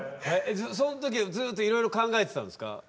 その時はずっといろいろ考えてたんですか？